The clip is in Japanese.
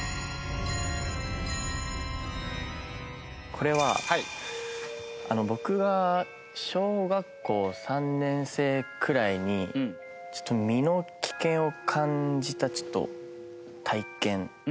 これは僕が小学校３年生くらいに身の危険を感じた体験なんですけど。